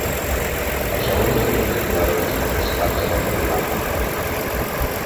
Barcelona és el punt de trobada dels participants en el programa.